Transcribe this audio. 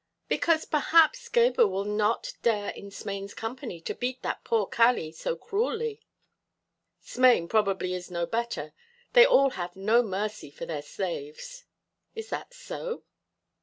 "Because perhaps Gebhr will not dare in Smain's company to beat that poor Kali so cruelly." "Smain probably is no better. They all have no mercy for their slaves." "Is that so?"